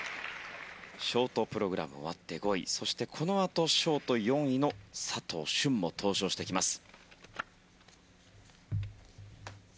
ショートプログラム終わって５位そしてこのあとショート４位の佐藤駿も登場してきます。